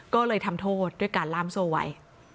ก็เลยทำโทษด้วยการล่ามโซ่ไว้